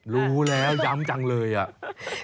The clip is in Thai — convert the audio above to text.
รู้แล้วย้ำจังเลยอ่ะ